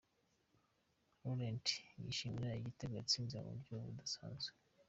Laurent yishimira igitego yatsinze mu buryo budasanzwe.